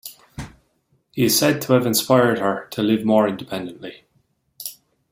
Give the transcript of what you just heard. He is said to have inspired her to live more independently.